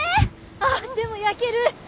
あっでも焼ける！